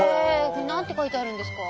これ何て書いてあるんですか？